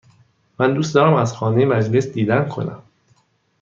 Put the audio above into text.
من دوست دارم از خانه مجلس دیدن کنم.